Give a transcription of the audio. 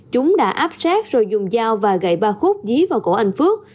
chúng đã áp sát rồi dùng dao và gậy ba khúc gí vào cổ anh phước